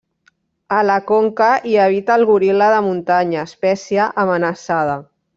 A la conca hi habita el goril·la de muntanya, espècie amenaçada.